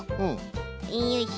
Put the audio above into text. よいしょ。